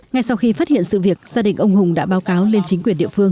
ngay sau khi phát hiện sự việc gia đình ông hùng đã báo cáo lên chính quyền địa phương